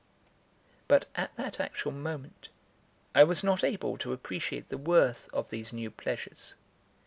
But at that actual moment, I was not able to appreciate the worth of these new pleasures.